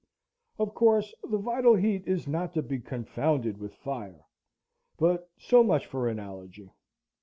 Of course the vital heat is not to be confounded with fire; but so much for analogy.